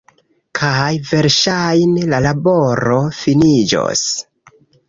kaj verŝajne la laboro finiĝos